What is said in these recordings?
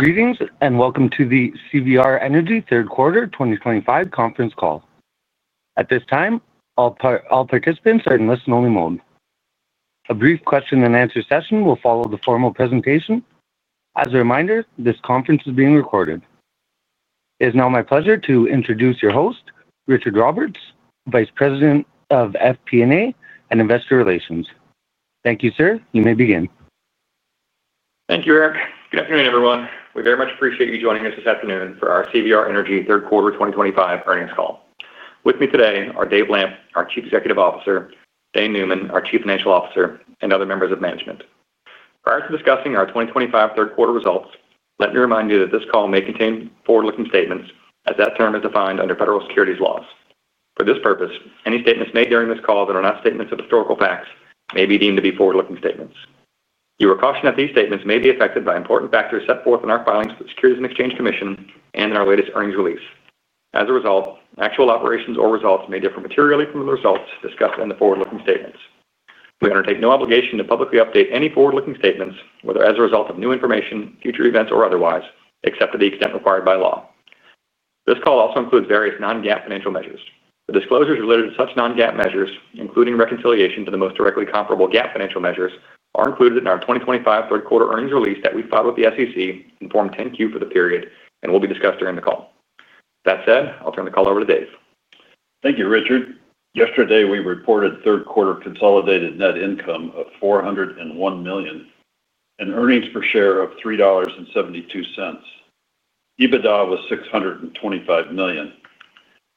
Greetings and welcome to the CVR Energy Third Quarter 2025 conference call. At this time, all participants are in listen-only mode. A brief question-and-answer session will follow the formal presentation. As a reminder, this conference is being recorded. It is now my pleasure to introduce your host, Richard Roberts, Vice President of FP&A and Investor Relations. Thank you, sir. You may begin. Thank you, Eric. Good afternoon, everyone. We very much appreciate you joining us this afternoon for our CVR Energy Third Quarter 2025 earnings call. With me today are David Lamp, our Chief Executive Officer, Dane Neumann, our Chief Financial Officer, and other members of management. Prior to discussing our 2025 third quarter results, let me remind you that this call may contain forward-looking statements as that term is defined under federal securities laws. For this purpose, any statements made during this call that are not statements of historical facts may be deemed to be forward-looking statements. You are cautioned that these statements may be affected by important factors set forth in our filings with the Securities and Exchange Commission and in our latest earnings release. As a result, actual operations or results may differ materially from the results discussed in the forward-looking statements. We undertake no obligation to publicly update any forward-looking statements, whether as a result of new information, future events, or otherwise, except to the extent required by law. This call also includes various non-GAAP financial measures. The disclosures related to such non-GAAP measures, including reconciliation to the most directly comparable GAAP financial measures, are included in our 2025 third quarter earnings release that we filed with the SEC in Form 10-Q for the period and will be discussed during the call. That said, I'll turn the call over to David. Thank you, Richard. Yesterday, we reported third quarter consolidated net income of $401 million and earnings per share of $3.72. EBITDA was $625 million.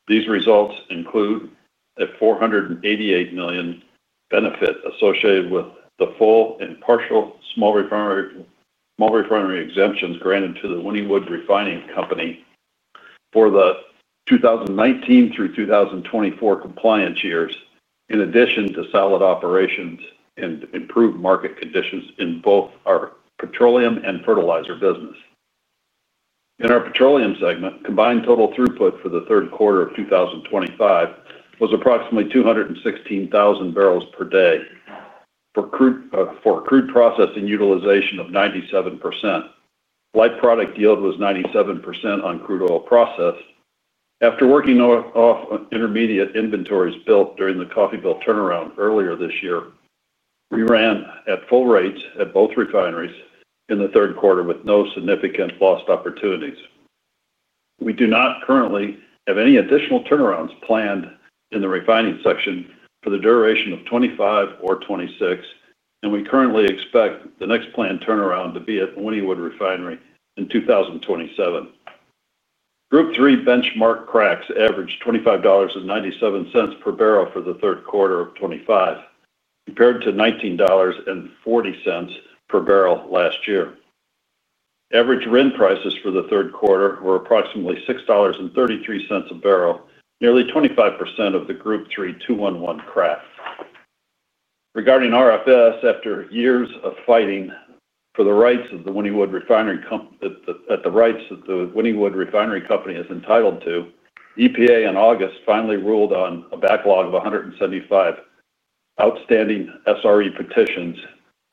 These results include a $488 million benefit associated with the full and partial small refinery exemptions granted to the Wynnewood Refining Company for the 2019 through 2024 compliance years, in addition to solid operations and improved market conditions in both our petroleum and fertilizer business. In our Petroleum segment, combined total throughput for the third quarter of 2025 was approximately 216,000 barrels per day for crude processing utilization of 97%. Light product yield was 97% on crude oil processed. After working off intermediate inventories built during the Coffeyville turnaround earlier this year, we ran at full rates at both refineries in the third quarter with no significant lost opportunities. We do not currently have any additional turnarounds planned in the refining section for the duration of 2025 or 2026, and we currently expect the next planned turnaround to be at Wynnewood Refinery in 2027. Group three benchmark cracks averaged $25.97 per barrel for the third quarter of 2025, compared to $19.40 per barrel last year. Average RIN prices for the third quarter were approximately $6.33 per barrel, nearly 25% of the Group three 2-1-1 crack. Regarding RFS, after years of fighting for the rights that the Wynnewood Refining Company is entitled to, EPA in August finally ruled on a backlog of 175 outstanding SRE petitions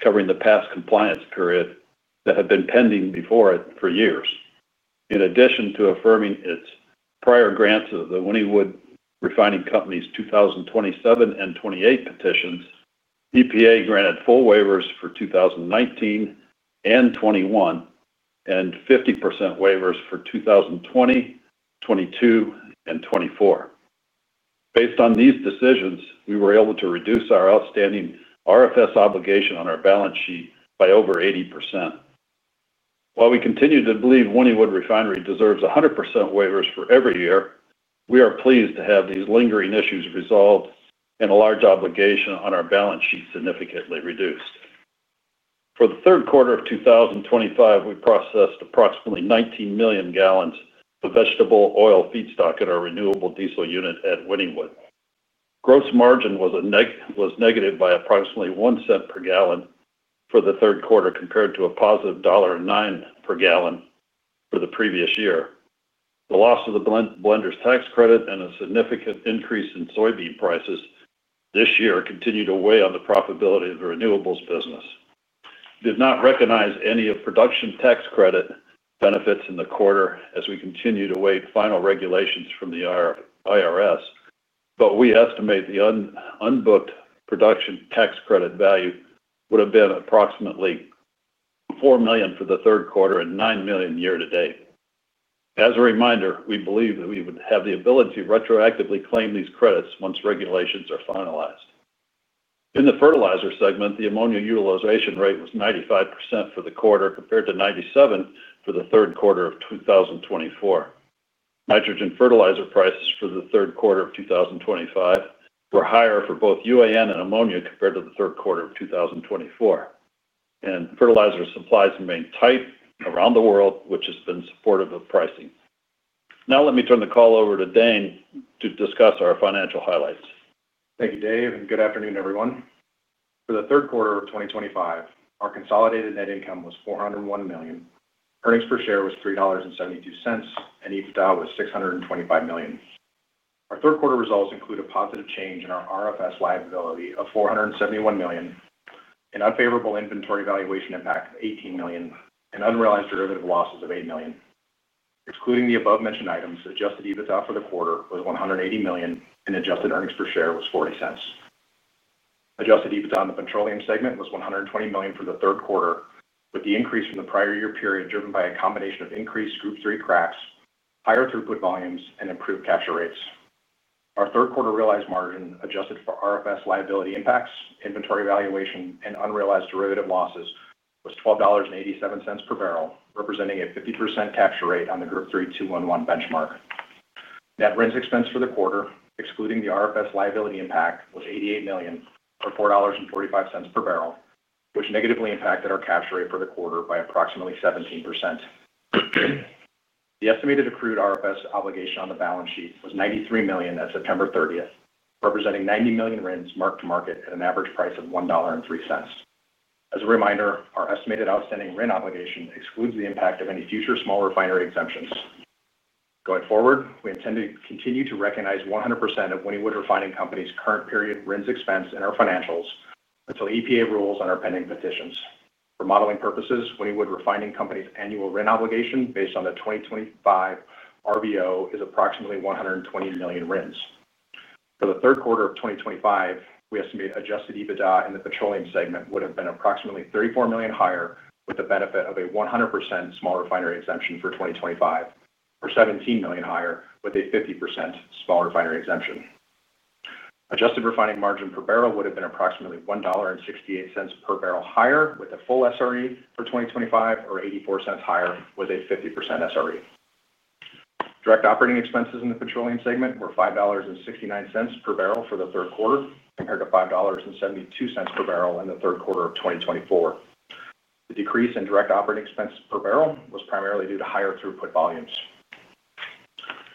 covering the past compliance period that had been pending before it for years. In addition to affirming its prior grants of the Wynnewood Refining Company's 2027 and 2028 petitions, EPA granted full waivers for 2019 and 2021 and 50% waivers for 2020, 2022, and 2024. Based on these decisions, we were able to reduce our outstanding RFS obligation on our balance sheet by over 80%. While we continue to believe Wynnewood Refinery deserves 100% waivers for every year, we are pleased to have these lingering issues resolved and a large obligation on our balance sheet significantly reduced. For the third quarter of 2025, we processed approximately 19 million gallons of vegetable oil feedstock at our renewable diesel unit at Wynnewood. Gross margin was negative by approximately $0.01 per gallon for the third quarter compared to a positive $1.09 per gallon for the previous year. The loss of the blenders’ tax credit and a significant increase in soybean prices this year continued to weigh on the profitability of the renewables business. We did not recognize any production tax credit benefits in the quarter as we continue to await final regulations from the IRS, but we estimate the unbooked production tax credit value would have been approximately $4 million for the third quarter and $9 million year-to-date. As a reminder, we believe that we would have the ability to retroactively claim these credits once regulations are finalized. In the fertilizer segment, the ammonia utilization rate was 95% for the quarter compared to 97% for the third quarter of 2024. Nitrogen fertilizer prices for the third quarter of 2025 were higher for both UAN and ammonia compared to the third quarter of 2024. Fertilizer supplies remain tight around the world, which has been supportive of pricing. Now let me turn the call over to Dane to discuss our financial highlights. Thank you, David, and good afternoon, everyone. For the third quarter of 2025, our consolidated net income was $401 million. Earnings per share was $3.72, and EBITDA was $625 million. Our third quarter results include a positive change in our RFS liability of $471 million, an unfavorable inventory valuation impact of $18 million, and unrealized derivative losses of $8 million. Excluding the above-mentioned items, adjusted EBITDA for the quarter was $180 million, and adjusted earnings per share was $0.40. Adjusted EBITDA in the petroleum segment was $120 million for the third quarter, with the increase from the prior year period driven by a combination of increased Group three benchmark cracks, higher throughput volumes, and improved capture rates. Our third quarter realized margin adjusted for RFS liability impacts, inventory valuation, and unrealized derivative losses was $12.87 per barrel, representing a 50% capture rate on the Group three 2-1-1 benchmark. Net RINs expense for the quarter, excluding the RFS liability impact, was $88 million or $4.45 per barrel, which negatively impacted our capture rate for the quarter by approximately 17%. The estimated accrued RFS obligation on the balance sheet was $93 million at September 30th, representing 90 million RINs marked to market at an average price of $1.03. As a reminder, our estimated outstanding RIN obligation excludes the impact of any future small refinery exemptions. Going forward, we intend to continue to recognize 100% of Wynnewood Refining Company's current period RINs expense in our financials until EPA rules on our pending petitions. For modeling purposes, Wynnewood Refining Company's annual RIN obligation based on the 2025 RVO is approximately $120 million RINs. For the third quarter of 2025, we estimate adjusted EBITDA in the petroleum segment would have been approximately $34 million higher, with the benefit of a 100% small refinery exemption for 2025, or $17 million higher, with a 50% small refinery exemption. Adjusted refining margin per barrel would have been approximately $1.68 per barrel higher, with a full SRE for 2025 or $0.84 higher, with a 50% SRE. Direct operating expenses in the petroleum segment were $5.69 per barrel for the third quarter compared to $5.72 per barrel in the third quarter of 2024. The decrease in direct operating expense per barrel was primarily due to higher throughput volumes.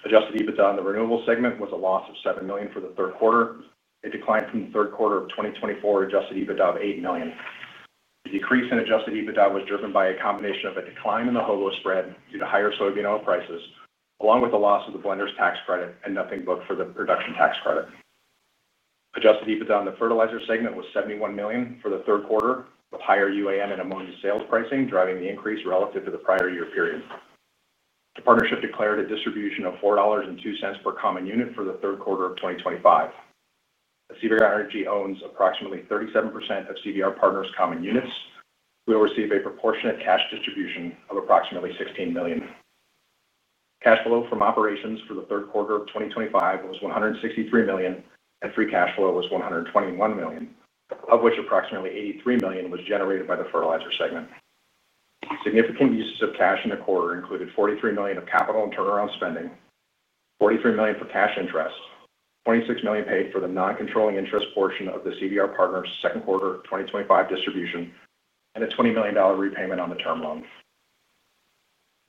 Adjusted EBITDA in the renewable segment was a loss of $7 million for the third quarter, a decline from the third quarter of 2024 adjusted EBITDA of $8 million. The decrease in adjusted EBITDA was driven by a combination of a decline in the HOBO spread due to higher soybean oil prices, along with the loss of the blenders’ tax credit and nothing booked for the production tax credit. Adjusted EBITDA in the fertilizer segment was $71 million for the third quarter, with higher UAN and ammonia sales pricing driving the increase relative to the prior year period. The partnership declared a distribution of $4.02 per common unit for the third quarter of 2025. As CVR Energy owns approximately 37% of CVR Partners’ common units, we will receive a proportionate cash distribution of approximately $16 million. Cash flow from operations for the third quarter of 2025 was $163 million, and free cash flow was $121 million, of which approximately $83 million was generated by the fertilizer segment. Significant uses of cash in the quarter included $43 million of capital and turnaround spending, $43 million for cash interest, $26 million paid for the non-controlling interest portion of the CVR Partners’ second quarter 2025 distribution, and a $20 million repayment on the term loan.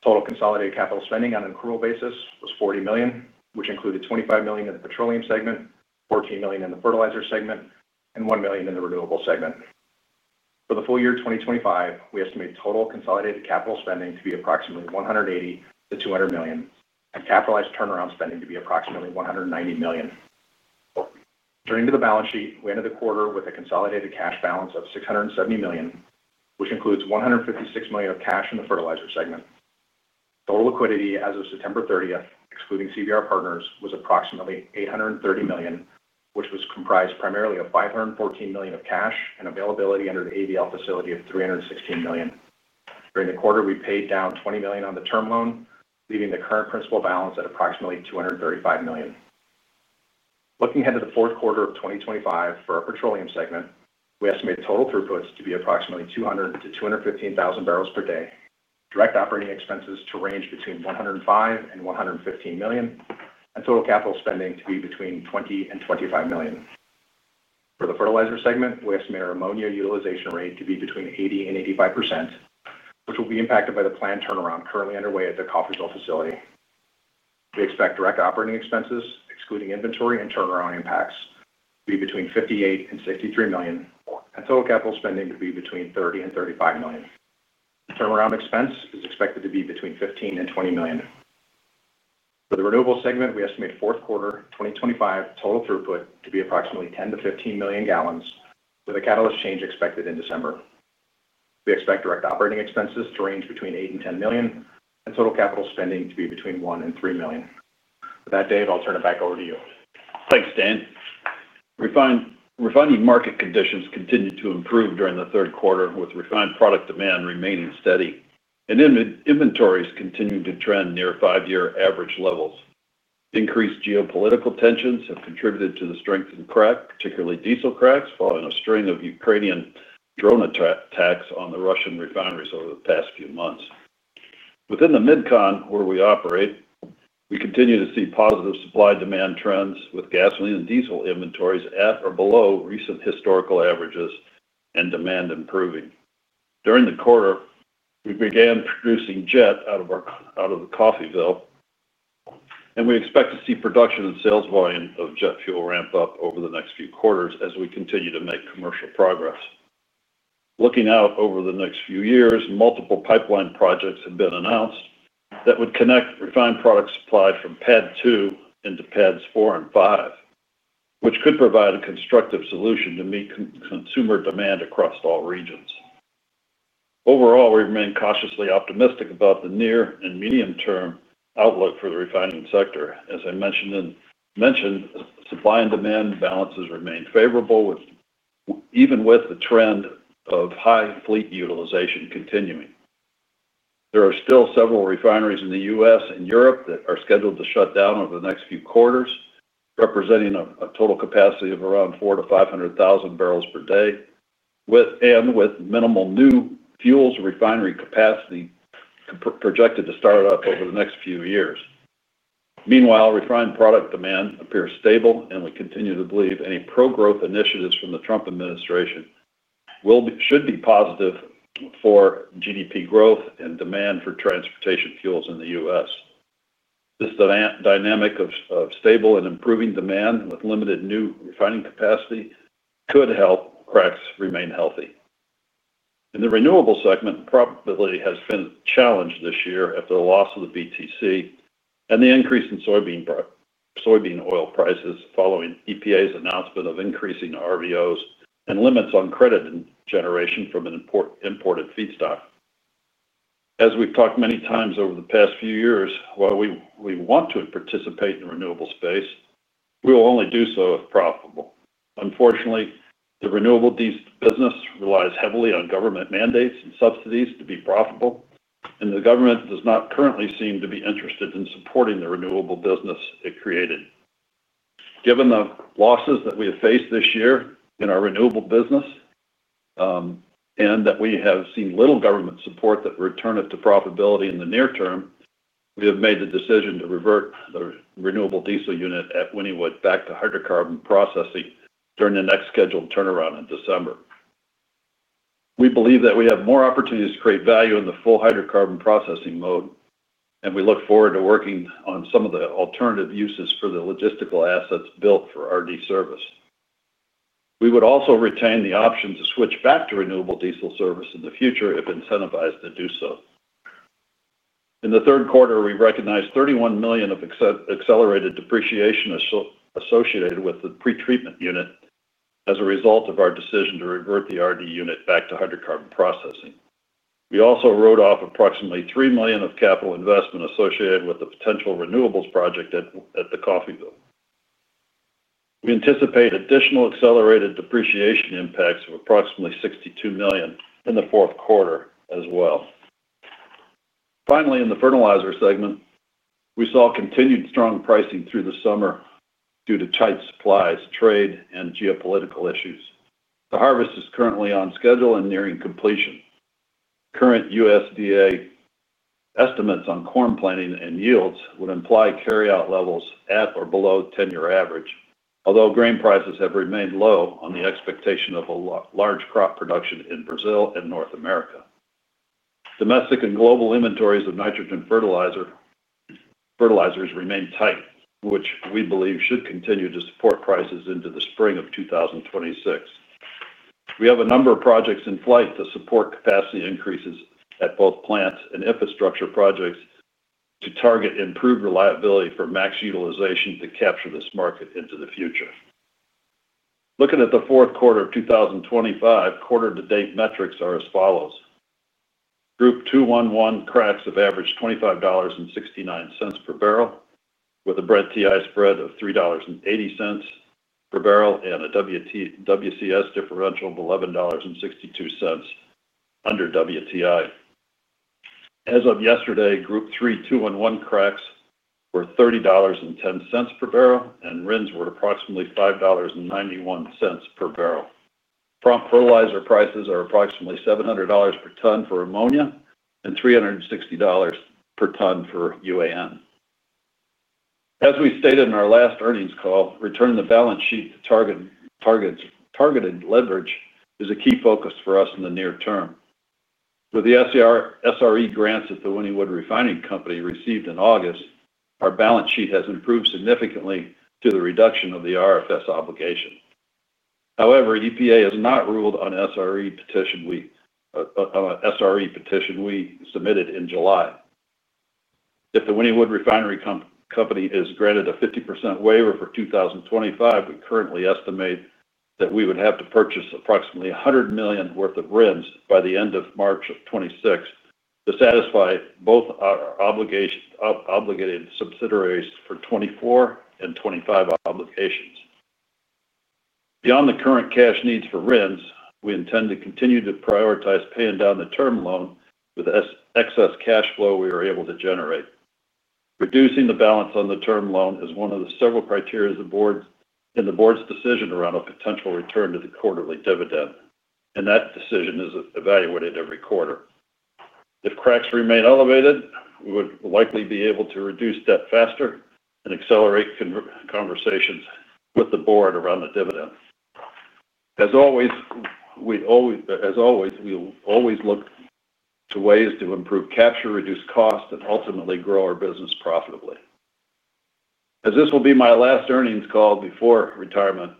Total consolidated capital spending on an accrual basis was $40 million, which included $25 million in the Petroleum segment, $14 million in the Fertilizer segment, and $1 million in the Renewable segment. For the full year 2025, we estimate total consolidated capital spending to be approximately $180 million-$200 million, and capitalized turnaround spending to be approximately $190 million. Turning to the balance sheet, we ended the quarter with a consolidated cash balance of $670 million, which includes $156 million of cash in the fertilizer segment. Total liquidity as of September 30th, excluding CVR Partners, was approximately $830 million, which was comprised primarily of $514 million of cash and availability under the AVL facility of $316 million. During the quarter, we paid down $20 million on the term loan, leaving the current principal balance at approximately $235 million. Looking ahead to the fourth quarter of 2025 for our petroleum segment, we estimate total throughputs to be approximately 200,000-215,000 per day, direct operating expenses to range between $105 million and $115 million, and total capital spending to be between $20 million and $25 million. For the fertilizer segment, we estimate our ammonia utilization rate to be between 80% and 85%, which will be impacted by the planned turnaround currently underway at the Coffeyville facility. We expect direct operating expenses, excluding inventory and turnaround impacts, to be between $58 million and $63 million, and total capital spending to be between $30 million and $35 million. The turnaround expense is expected to be between $15 million and $20 million. For the renewable segment, we estimate fourth quarter 2025 total throughput to be approximately 10 million-15 million gallons, with a catalyst change expected in December. We expect direct operating expenses to range between $8 million and $10 million, and total capital spending to be between $1 million and $3 million. With that, David, I'll turn it back over to you. Thanks, Dane. Refining market conditions continued to improve during the third quarter, with refined product demand remaining steady and inventories continuing to trend near five-year average levels. Increased geopolitical tensions have contributed to the strength in crack, particularly diesel cracks, following a string of Ukrainian drone attacks on the Russian refineries over the past few months. Within the Mid-Continent region, where we operate, we continue to see positive supply-demand trends, with gasoline and diesel inventories at or below recent historical averages and demand improving. During the quarter, we began producing jet out of Coffeyville, and we expect to see production and sales volume of jet fuel ramp up over the next few quarters as we continue to make commercial progress. Looking out over the next few years, multiple pipeline projects have been announced that would connect refined products supplied from Pad two into Pads four and five, which could provide a constructive solution to meet consumer demand across all regions. Overall, we remain cautiously optimistic about the near and medium-term outlook for the refining sector. As I mentioned, supply and demand balances remain favorable. Even with the trend of high fleet utilization continuing, there are still several refineries in the U.S. and Europe that are scheduled to shut down over the next few quarters, representing a total capacity of around 400,000-500,000 barrels per day. With minimal new fuels refinery capacity projected to start up over the next few years, refined product demand appears stable, and we continue to believe any pro-growth initiatives from the Trump administration should be positive for GDP growth and demand for transportation fuels in the U.S. This dynamic of stable and improving demand with limited new refining capacity could help cracks remain healthy. In the renewable segment, the profitability has been challenged this year after the loss of the blenders’ tax credit and the increase in soybean oil prices following EPA's announcement of increasing RVOs and limits on credit generation from an imported feedstock. As we've talked many times over the past few years, while we want to participate in the renewable space, we will only do so if profitable. Unfortunately, the renewable business relies heavily on government mandates and subsidies to be profitable, and the government does not currently seem to be interested in supporting the renewable business it created. Given the losses that we have faced this year in our renewable business, and that we have seen little government support that return us to profitability in the near term, we have made the decision to revert the renewable diesel unit at Wynnewood back to hydrocarbon processing during the next scheduled turnaround in December. We believe that we have more opportunities to create value in the full hydrocarbon processing mode, and we look forward to working on some of the alternative uses for the logistical assets built for renewable diesel service. We would also retain the option to switch back to renewable diesel service in the future if incentivized to do so. In the third quarter, we recognized $31 million of accelerated depreciation associated with the pretreatment unit as a result of our decision to revert the renewable diesel unit back to hydrocarbon processing. We also wrote off approximately $3 million of capital investment associated with the potential renewables project at Coffeyville. We anticipate additional accelerated depreciation impacts of approximately $62 million in the fourth quarter as well. Finally, in the fertilizer segment, we saw continued strong pricing through the summer due to tight supplies, trade, and geopolitical issues. The harvest is currently on schedule and nearing completion. Current USDA estimates on corn planting and yields would imply carryout levels at or below 10-year average, although grain prices have remained low on the expectation of a large crop production in Brazil and North America. Domestic and global inventories of nitrogen fertilizers remain tight, which we believe should continue to support prices into the spring of 2026. We have a number of projects in flight to support capacity increases at both plant and infrastructure projects to target improved reliability for max utilization to capture this market into the future. Looking at the fourth quarter of 2025, quarter-to-date metrics are as follows. Group three 2-1-1 cracks have averaged $25.69 per barrel, with a Brent-TI spread of $3.80 per barrel and a WCS differential of $11.62 under WTI. As of yesterday, Group three 2-1-1 cracks were $30.10 per barrel, and RINs were approximately $5.91 per barrel. Prompt fertilizer prices are approximately $700 per ton for ammonia and $360 per ton for urea ammonium nitrate. As we stated in our last earnings call, returning the balance sheet to targeted leverage is a key focus for us in the near term. With the small refinery exemptions that the Wynnewood Refining Company received in August, our balance sheet has improved significantly due to the reduction of the Renewable Fuel Standard obligation. However, the EPA has not ruled on the small refinery exemption petition we submitted in July. If the Wynnewood Refining Company is granted a 50% waiver for 2025, we currently estimate that we would have to purchase approximately $100 million worth of RINs by the end of March 2026 to satisfy both our obligated subsidiaries for 2024 and 2025 obligations. Beyond the current cash needs for RINs, we intend to continue to prioritize paying down the term loan with excess cash flow we are able to generate. Reducing the balance on the term loan is one of several criteria in the board's decision around a potential return to the quarterly dividend, and that decision is evaluated every quarter. If Group three benchmark cracks remain elevated, we would likely be able to reduce debt faster and accelerate conversations with the board around the dividend. As always, we always look to ways to improve capture, reduce cost, and ultimately grow our business profitably. As this will be my last earnings call before retirement,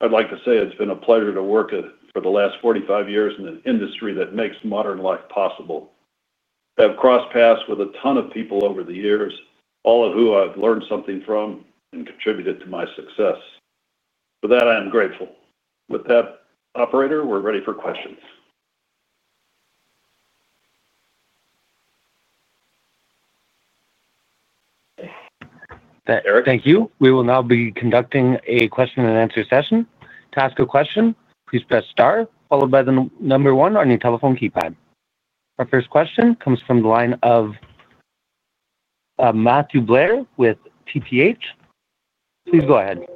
I'd like to say it's been a pleasure to work for the last 45 years in an industry that makes modern life possible. I have crossed paths with a ton of people over the years, all of whom I've learned something from and contributed to my success. For that, I am grateful. With that, Operator, we're ready for questions. Thank you. We will now be conducting a question-and-answer session. To ask a question, please press star, followed by the number one on your telephone keypad. Our first question comes from the line of Matthew Blair with TPH. Please go ahead.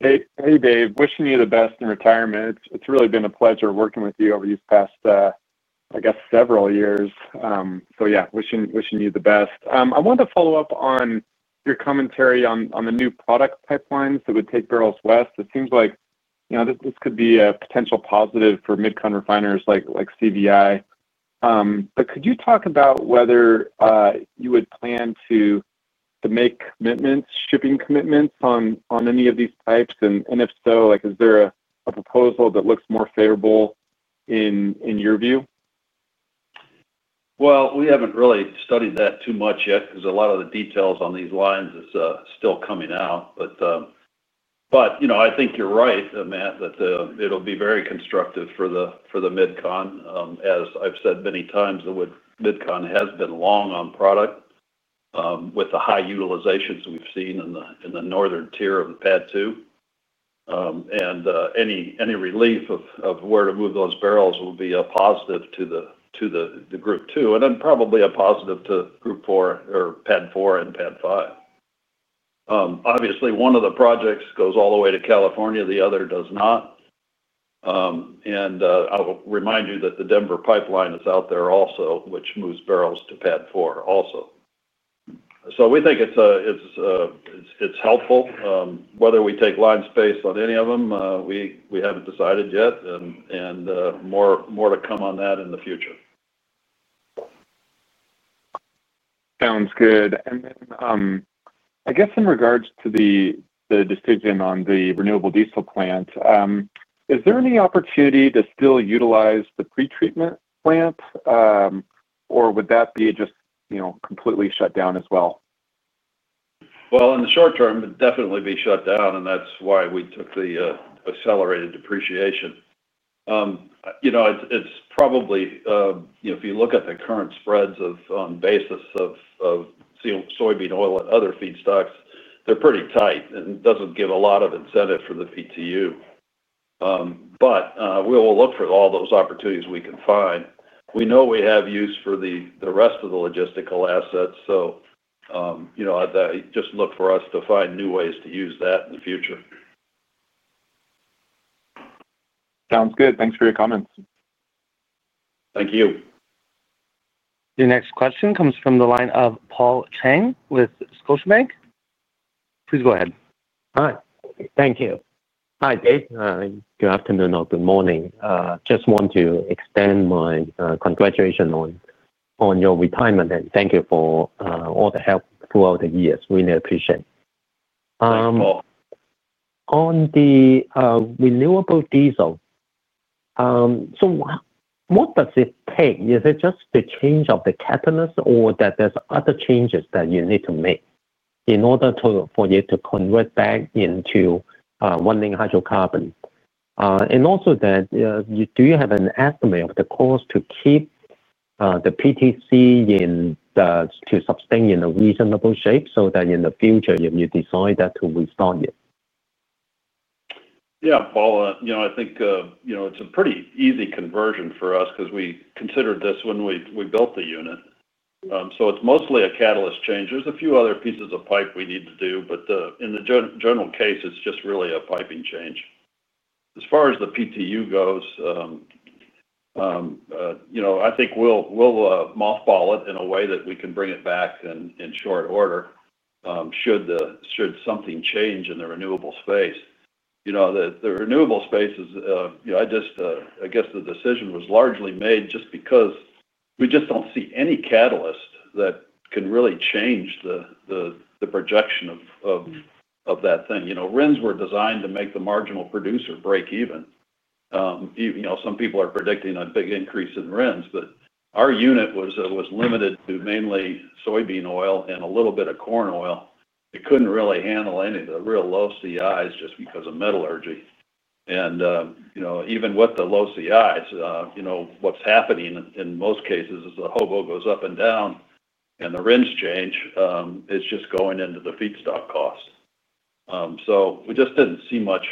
Hey, David. Wishing you the best in retirement. It's really been a pleasure working with you over these past, I guess, several years. Wishing you the best. I wanted to follow up on your commentary on the new product pipelines that would take barrels west. It seems like this could be a potential positive for Mid-Continent refiners like CVR Energy. Could you talk about whether you would plan to make shipping commitments on any of these pipes? If so, is there a proposal that looks more favorable in your view? I think you're right, Matt, that it'll be very constructive for the Mid-Continent region. As I've said many times, the Mid-Continent region has been long on product with the high utilizations we've seen in the northern tier of Pad two. Any relief of where to move those barrels will be a positive to Group two, and probably a positive to Group four or Pad four and Pad five. Obviously, one of the projects goes all the way to California, the other does not. I'll remind you that the Denver pipeline is out there also, which moves barrels to Pad Four also. We think it's helpful. Whether we take line space on any of them, we haven't decided yet, and more to come on that in the future. Sounds good. In regards to the decision on the renewable diesel plant, is there any opportunity to still utilize the pretreatment plant, or would that be just completely shut down as well? In the short term, it would definitely be shut down, and that's why we took the accelerated depreciation. It's probably, if you look at the current spreads on the basis of soybean oil and other feedstocks, they're pretty tight, and it doesn't give a lot of incentive for the PTU. We will look for all those opportunities we can find. We know we have use for the rest of the logistical assets, so just look for us to find new ways to use that in the future. Sounds good. Thanks for your comments. Thank you. Your next question comes from the line of Paul Cheng with Scotiabank. Please go ahead. Hi. Thank you. Hi, David. Good afternoon or good morning. Just want to extend my congratulations on your retirement, and thank you for all the help throughout the years. Really appreciate it. On the renewable diesel, what does it take? Is it just the change of the catalyst, or are there other changes that you need to make in order for you to convert back into one-link hydrocarbon? Also, do you have an estimate of the cost to keep the PTC in to sustain in a reasonable shape so that in the future you decide to restart it? Yeah, Paul, I think it's a pretty easy conversion for us because we considered this when we built the unit. It's mostly a catalyst change. There are a few other pieces of pipe we need to do, but in the general case, it's just really a piping change. As far as the PTU goes, I think we'll mothball it in a way that we can bring it back in short order should something change in the renewable space. The renewable space is, I guess the decision was largely made just because we just don't see any catalyst that can really change the projection of that thing. RINs were designed to make the marginal producer break even. Some people are predicting a big increase in RINs, but our unit was limited to mainly soybean oil and a little bit of corn oil. It couldn't really handle any of the real low CIs just because of metallurgy. Even with the low CIs, what's happening in most cases is the HOBO goes up and down, and the RINs change. It's just going into the feedstock cost. We just didn't see much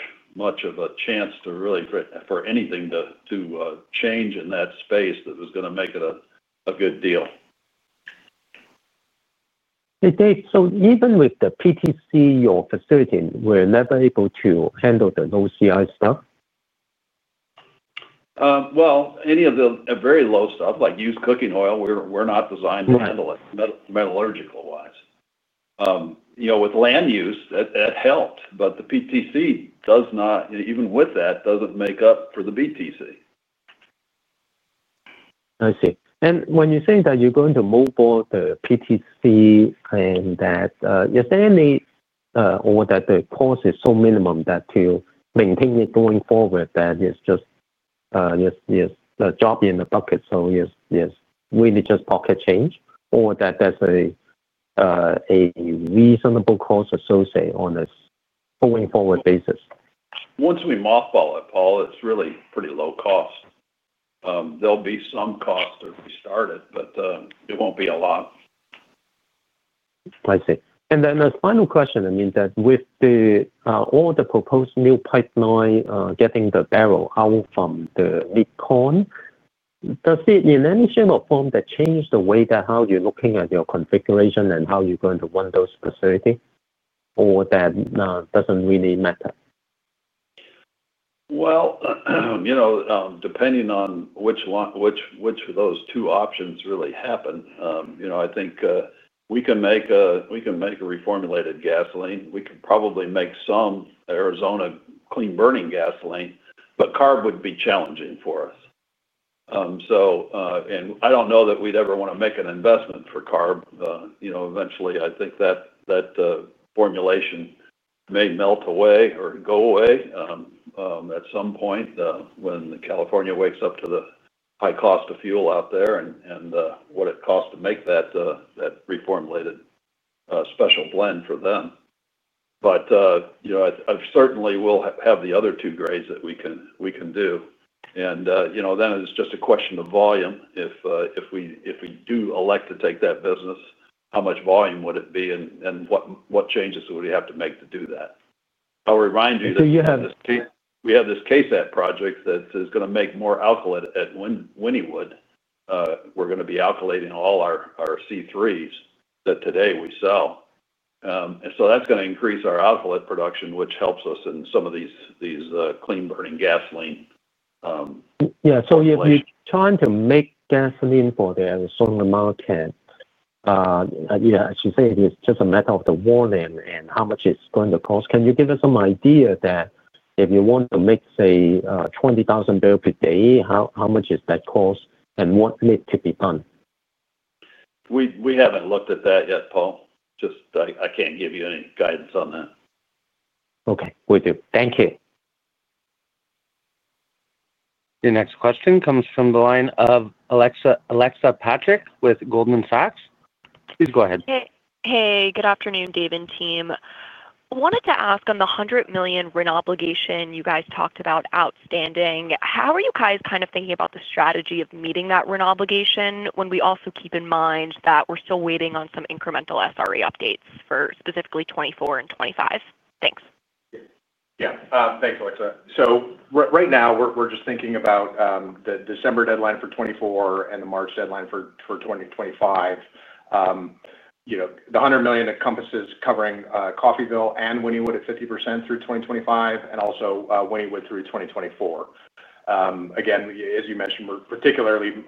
of a chance for anything to change in that space that was going to make it a good deal. David, even with the PTC or facility, we're never able to handle the low CI stuff? Any of the very low stuff, like used cooking oil, we're not designed to handle it metallurgical-wise. With land use, that helped, but the PTC does not, even with that, doesn't make up for the blenders’ tax credit. I see. When you say that you're going to move forward the PTC and that, is there any, or that the cost is so minimum to maintain it going forward that it's just a drop in the bucket, so it's really just pocket change, or that there's a reasonable cost associated on a going-forward basis? Once we mothball it, Paul, it's really pretty low cost. There'll be some cost to restart it, but it won't be a lot. I see. The final question, I mean, with all the proposed new pipeline getting the barrel out from the Mid-Continent region, does it in any shape or form change the way that how you're looking at your configuration and how you're going to run those facilities, or that doesn't really matter? Depending on which of those two options really happen, I think we can make a reformulated gasoline. We can probably make some Arizona clean burning gasoline, but CARB would be challenging for us. I don't know that we'd ever want to make an investment for CARB. Eventually, I think that formulation may melt away or go away at some point when California wakes up to the high cost of fuel out there and what it costs to make that reformulated special blend for them. I certainly will have the other two grades that we can do. It's just a question of volume. If we do elect to take that business, how much volume would it be and what changes would we have to make to do that? I'll remind you that we have this CASAT project that is going to make more alkylate at Wynnewood. We're going to be alkylating all our C3s that today we sell, and so that's going to increase our alkylate production, which helps us in some of these clean burning gasoline. Yeah. If you're trying to make gasoline for the Arizona mountain, as you say, it's just a matter of the volume and how much it's going to cost. Can you give us some idea that if you want to make, say, 20,000 barrels per day, how much is that cost and what needs to be done? We haven't looked at that yet, Paul. I can't give you any guidance on that. Okay, we do. Thank you. Your next question comes from the line of Alexa Petrick with Goldman Sachs. Please go ahead. Hey, good afternoon, Dave and team. I wanted to ask on the $100 million RIN obligation you guys talked about outstanding. How are you guys kind of thinking about the strategy of meeting that RIN obligation when we also keep in mind that we're still waiting on some incremental small refinery exemptions updates for specifically 2024 and 2025? Thanks. Yeah. Thanks, Alexa. Right now, we're just thinking about the December deadline for 2024 and the March deadline for 2025. The $100 million encompasses covering Coffeyville and Wynnewood at 50% through 2025 and also Wynnewood through 2024. Again, as you mentioned, we're particularly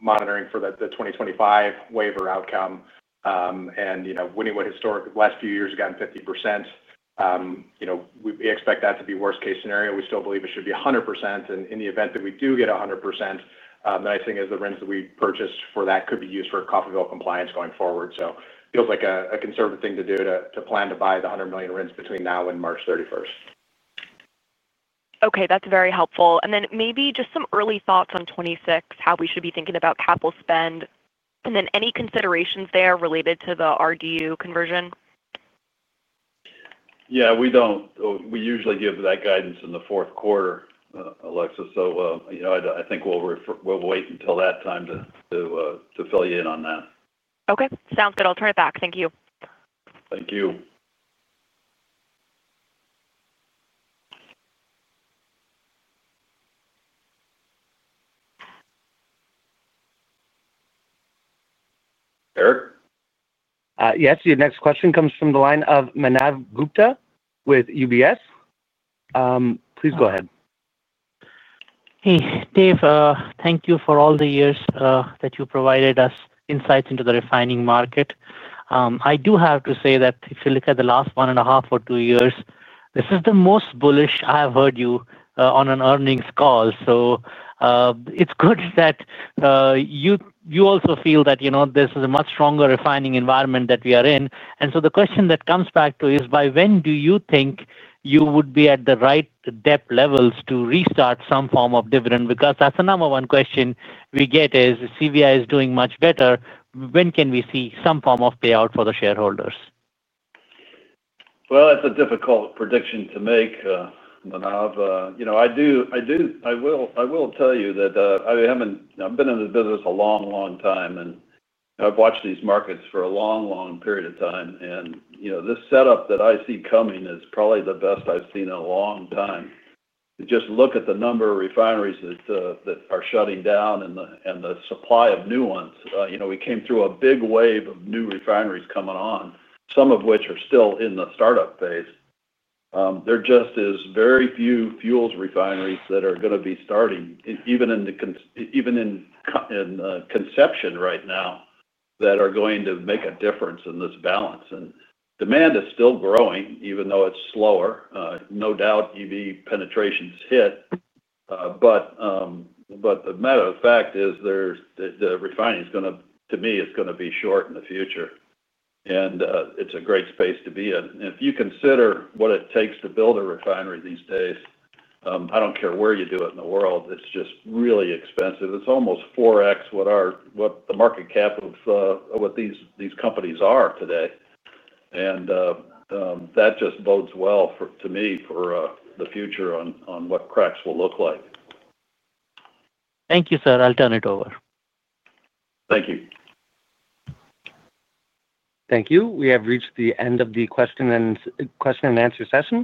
monitoring for the 2025 waiver outcome. Wynnewood historically the last few years has gotten 50%. We expect that to be worst-case scenario. We still believe it should be 100%. In the event that we do get 100%, the nice thing is the RINs that we purchased for that could be used for Coffeyville compliance going forward. It feels like a conservative thing to do to plan to buy the $100 million RINs between now and March 31th. Okay. That's very helpful. Maybe just some early thoughts on 2026, how we should be thinking about capital spend, and any considerations there related to the RDU conversion? Yeah, we usually give that guidance in the fourth quarter, Alexa. I think we'll wait until that time to fill you in on that. Okay. Sounds good. I'll turn it back. Thank you. Thank you. Eric? Yes. Your next question comes from the line of Manav Gupta with UBS. Please go ahead. Hey, Dave, thank you for all the years that you provided us insights into the refining market. I do have to say that if you look at the last one and a half or two years, this is the most bullish I have heard you on an earnings call. It's good that you also feel that this is a much stronger refining environment that we are in. The question that comes back to is, by when do you think you would be at the right debt levels to restart some form of dividend? That's the number one question we get is CVR Energy is doing much better. When can we see some form of payout for the shareholders? It's a difficult prediction to make, Manav. I will tell you that I've been in the business a long, long time, and I've watched these markets for a long, long period of time. This setup that I see coming is probably the best I've seen in a long time. Just look at the number of refineries that are shutting down and the supply of new ones. We came through a big wave of new refineries coming on, some of which are still in the startup phase. There just are very few fuels refineries that are going to be starting, even in conception right now, that are going to make a difference in this balance. Demand is still growing, even though it's slower. No doubt EV penetration's hit. The matter of fact is, refining is going to, to me, it's going to be short in the future. It's a great space to be in. If you consider what it takes to build a refinery these days, I don't care where you do it in the world, it's just really expensive. It's almost 4x what the market cap of what these companies are today. That just bodes well to me for the future on what cracks will look like. Thank you, sir. I'll turn it over. Thank you. Thank you. We have reached the end of the question-and-answer session.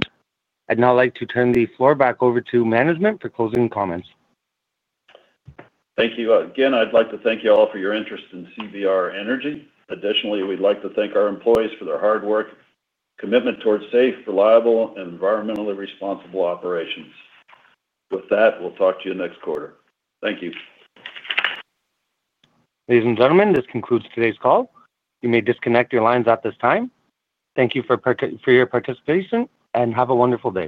I'd now like to turn the floor back over to management for closing comments. Thank you. Again, I'd like to thank you all for your interest in CVR Energy. Additionally, we'd like to thank our employees for their hard work, commitment toward safe, reliable, and environmentally responsible operations. With that, we'll talk to you next quarter. Thank you. Ladies and gentlemen, this concludes today's call. You may disconnect your lines at this time. Thank you for your participation and have a wonderful day.